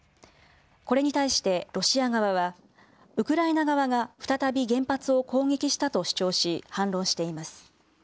これに対して、ロシア側は、ウクライナ側が再び原発を攻撃したと主張し、反論しています。